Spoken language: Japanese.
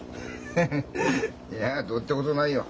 ヘヘッいやどうってことないよ。